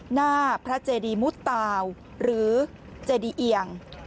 หน้าพระเจดีมุตตาวหรือเจดีเอียง